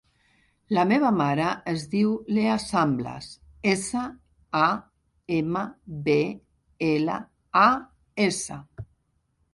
La meva mare es diu Leah Samblas: essa, a, ema, be, ela, a, essa.